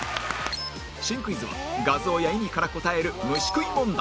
新クイズは画像や意味から答える虫食い問題